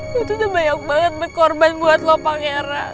gue tuh udah banyak banget berkorban buat lo pangeran